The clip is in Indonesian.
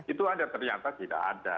tapi ternyata tidak ada